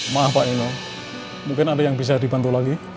maaf pak inno mungkin ada yang bisa dibantu lagi